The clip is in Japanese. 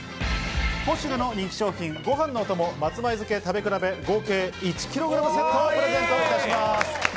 ポシュレの人気商品「ごはんのお供松前漬け食べ比べ合計１ｋｇセット」をプレゼントいたします。